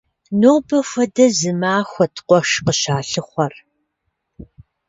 Нобэ хуэдэ зы махуэт къуэш къыщалъыхъуэр.